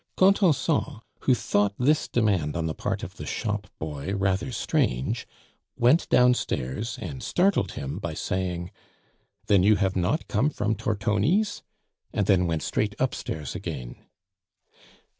Contenson, who thought this demand on the part of the shop boy rather strange, went downstairs and startled him by saying: "Then you have not come from Tortoni's?" and then went straight upstairs again.